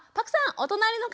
お隣の方